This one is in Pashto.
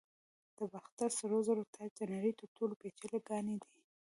د باختر سرو زرو تاج د نړۍ تر ټولو پیچلي ګاڼې دي